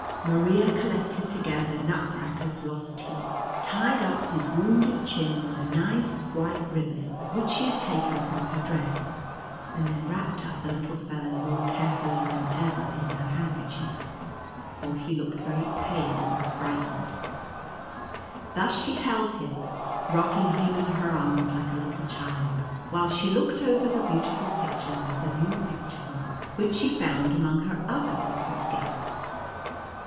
Maria col lected together Nutcracker's lost teeth, tied up his wounded chin with a nice white ribbon which 24 ISTCTTCR ACKER AND MOUSE KING. slie had taken from her dress, and then wrapped up the little fellow more carefully than ever in her handkerchief, for he looked very pale and frightened. Thus she held him, rocking him in her arms like a little child, while she looked over the beautiful pictures of the new picture book, which she found among her other Christmas gifts.